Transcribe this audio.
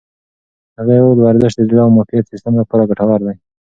هغې وویل ورزش د زړه او معافیت سیستم لپاره ګټور دی.